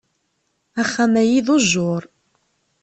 Axxam-agi d ujjuṛ.